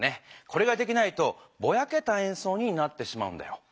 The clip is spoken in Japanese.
これができないとぼやけたえんそうになってしまうんだよ。